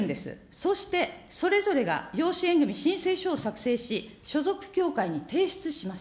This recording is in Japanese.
そしてそれぞれが養子縁組み申請書を作成し、所属教会に提出します。